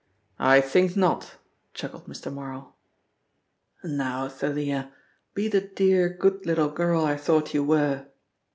"I think not," chuckled Mr. Marl. "Now, Thalia, be the dear, good little girl I thought you were."